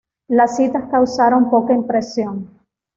Las citas causaron poca impresión.